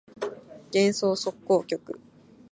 幻想即興曲